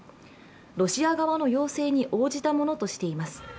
ロシア側の要請に応じたものとしています。